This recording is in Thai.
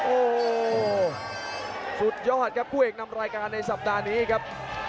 โอ้โหสุดยอดครับคู่เอกนำรายการในสัปดาห์นี้ครับ